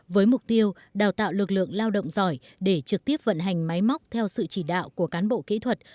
với mục tiêu đào tạo lực lượng lao động giỏi để trực tiếp vận hành máy móc theo sự chỉ đạo của cán bộ kỹ thuật